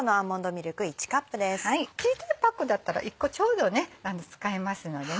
小さいパックだったら１個ちょうど使えますのでね。